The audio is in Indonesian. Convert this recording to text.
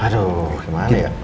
aduh gimana ya